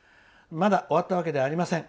まだ終わったわけではありません。